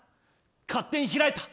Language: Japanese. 勝手に開いた。